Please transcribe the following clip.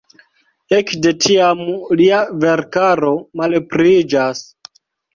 Ekde tiam lia verkaro malpliiĝas.